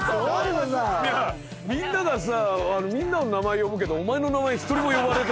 みんなの名前呼ぶけどお前の名前１人も呼ばれて。